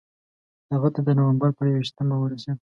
هغه ته د نومبر پر یوویشتمه ورسېد.